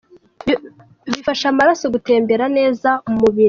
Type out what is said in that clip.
Bifasha amaraso gutembera neza u mubiri.